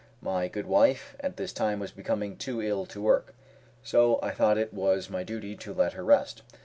My good wife at this time was becoming too ill to work, so I thought it was my duty to let her rest.